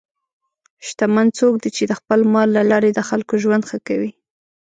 شتمن څوک دی چې د خپل مال له لارې د خلکو ژوند ښه کوي.